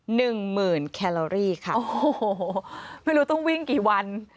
หนึ่งหมื่นแคลอรี่ค่ะโอ้โหไม่รู้ต้องวิ่งกี่วัน